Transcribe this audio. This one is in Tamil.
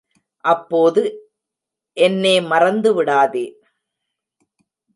அப்போது என்னே மறந்து விடாதே!